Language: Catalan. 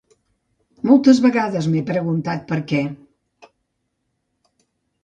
Moltes vegades m'he preguntat per què.